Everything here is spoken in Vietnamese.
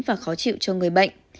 và khó chịu cho người bệnh